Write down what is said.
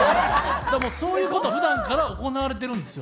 だからそういうことふだんから行われてるんですよ。